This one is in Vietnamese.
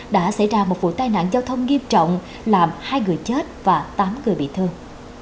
đã xảy ra một vụ tai nạn giao thông nghiêm trọng làm hai người chết và tám người bị thương